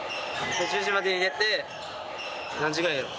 １０時までに寝て何時ぐらいやろ？